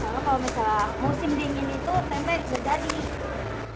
kalau misalnya musim dingin itu tempe bisa jadi